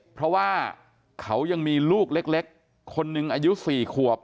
เพราะว่าเขายังมีลูกเล็กคนหนึ่งอายุ๔ขวบ